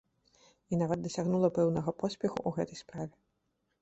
І нават дасягнула пэўнага поспеху ў гэтай справе.